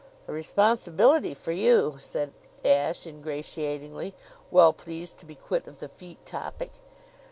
"A responsibility for you," said Ashe ingratiatingly, well pleased to be quit of the feet topic.